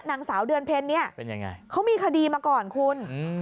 นางสาวเดือนเพลินเนี่ยเขามีคดีมาก่อนคุณ